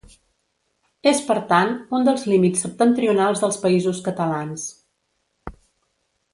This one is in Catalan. És per tant, un dels límits septentrionals dels Països Catalans.